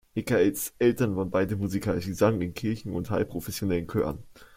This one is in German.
Michaels Eltern waren beide musikalisch: Sie sangen in Kirchen- und halbprofessionellen Chören.